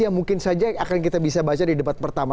yang mungkin saja akan kita bisa baca di debat pertama